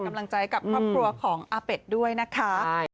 กำลังใจกับครอบครัวของอาเป็ดด้วยนะคะ